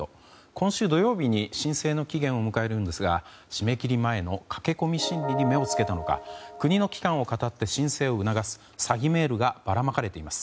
今週土曜日に申請の期限を迎えるんですが締め切り前の駆け込み心理に目を付けたのか国の機関をかたって申請を促す詐欺メールがばらまかれています。